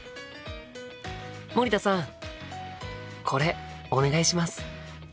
森田さんこれお願いします。